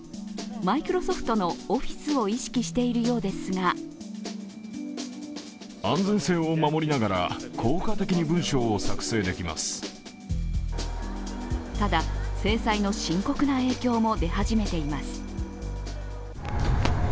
マイクロソフトのオフィスを意識しているようですがただ、制裁の深刻な影響も出始めています。